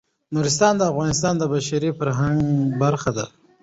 نورستان د افغانستان د بشري فرهنګ برخه ده.